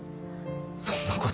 そんなこと。